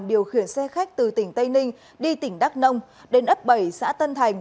điều khiển xe khách từ tỉnh tây ninh đi tỉnh đắk nông đến ấp bảy xã tân thành